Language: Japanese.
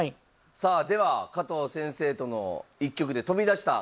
さあでは加藤先生との一局で飛び出した神の一手。